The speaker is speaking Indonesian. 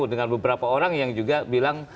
dengan beberapa orang yang juga bilang